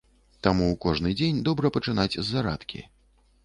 Таму кожны дзень добра пачынаць з зарадкі.